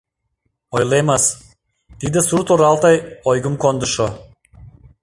— Ойлемыс, тиде сурт-оралте ойгым кондышо.